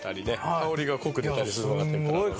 香りが濃く出たりするのがあったり。